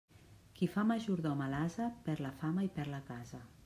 Qui fa majordom a l'ase, perd la fama i perd la casa.